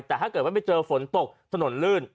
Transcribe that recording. แต่ถ้าเกิดว่าไม่เจอฝนตกถนนลื่น